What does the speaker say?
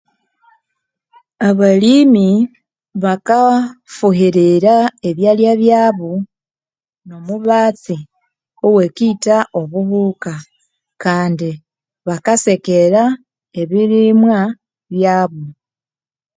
Abalimi bakaffuhirira ebyalya byabo no mubatsi owakitha obuhuka kandi bakasekera ebirimwa byabo